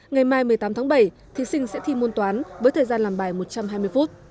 ngày mai một mươi tám tháng bảy thí sinh sẽ thi môn toán với thời gian làm bài một trăm hai mươi phút